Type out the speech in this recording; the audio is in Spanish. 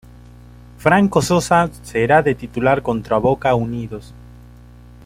Franco Sosa será de titular contra Boca Unidos.